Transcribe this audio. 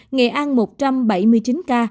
nghệ an một trăm bảy mươi chín ca